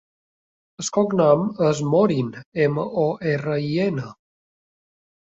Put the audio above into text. El cognom és Morin: ema, o, erra, i, ena.